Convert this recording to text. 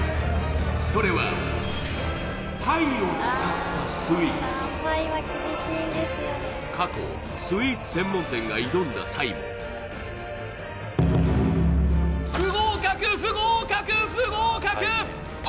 それはパイを使ったスイーツ過去スイーツ専門店が挑んだ際も不合格不合格不合格！